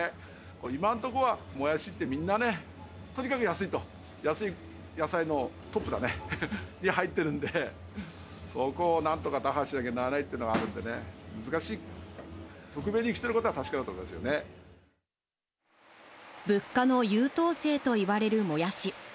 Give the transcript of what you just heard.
今のところはもやしって、みんなね、とにかく安いと、安い野菜のトップだね、に入ってるんで、そこをなんとか打破しなきゃならないっていうのはあるんでね、難しい局物価の優等生といわれるもやし。